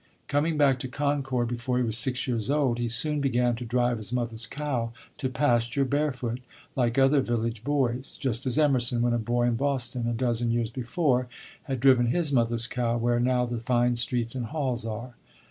Coming back to Concord before he was six years old, he soon began to drive his mother's cow to pasture, barefoot, like other village boys; just as Emerson, when a boy in Boston, a dozen years before, had driven his mother's cow where now the fine streets and halls are.